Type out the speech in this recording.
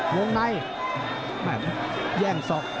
วงในแย่งซอด